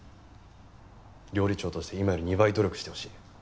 料理長として今より２倍努力してほしい。